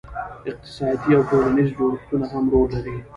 اقتصادي او ټولنیز جوړښتونه هم رول لري.